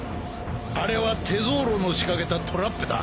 あれはテゾーロの仕掛けたトラップだ。